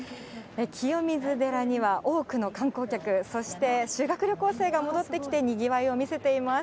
清水寺には多くの観光客、そして修学旅行生が戻ってきて、にぎわいを見せています。